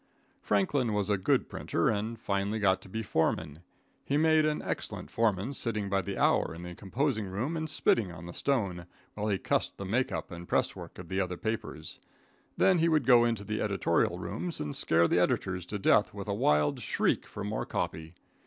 Franklin was a good printer, and finally got to be a foreman. He made an excellent foreman, sitting by the hour in the composing room and spitting on the stone, while he cussed the make up and press work of the other papers. Then he would go into the editorial rooms and scare the editors to death with a wild shriek for more copy.